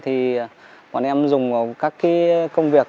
thì bọn em dùng vào các công việc